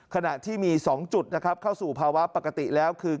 ขณะที่มี๒จุดนะครับเข้าสู่ภาวะปกติแล้วคือ